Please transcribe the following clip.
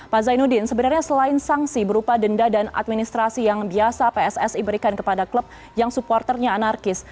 pak zainuddin sebenarnya selain sanksi berupa denda dan administrasi yang biasa pssi berikan kepada klub yang supporternya anarkis